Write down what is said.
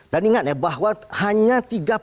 dan ingat ya bahwa hanya